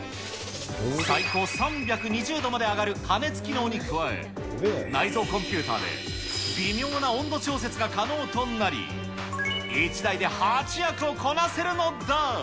最高３２０度まで上がる加熱機能に加え、内臓コンピューターで、微妙な温度調節が可能となり、１台で８役をこなせるのだ。